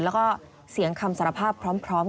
แล้วก็เสียงคำสารภาพพร้อมกันเลยค่ะ